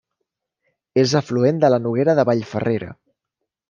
És afluent de la Noguera de Vallferrera.